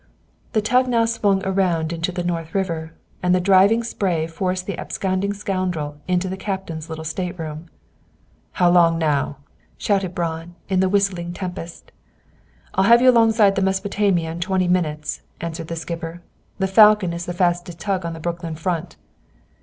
The tug now swung around into the North River, and the driving spray forced the absconding scoundrel into the Captain's little stateroom. "How long now?" shouted Braun, in the whistling tempest. "I'll have you alongside the 'Mesopotamia' in twenty minutes," answered the skipper. "The 'Falcon' is the fastest tug on the Brooklyn front."